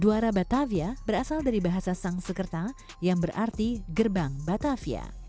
duara batavia berasal dari bahasa sangsekerta yang berarti gerbang batavia